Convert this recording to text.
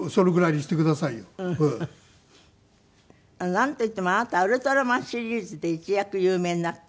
なんといってもあなた『ウルトラマン』シリーズで一躍有名になった。